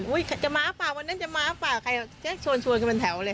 อุ๊ยจะมาป่ะวันนั้นป่ะ